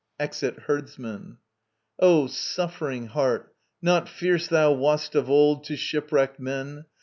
[EXIT HERDSMAN.] O suffering heart, not fierce thou wast of old To shipwrecked men.